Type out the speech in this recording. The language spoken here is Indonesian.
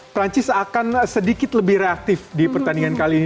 perancis akan sedikit lebih reaktif di pertandingan kali ini